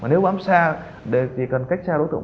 nếu bám xa thì cần cách xa đối tượng